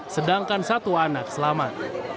sedangkan satu anak selamat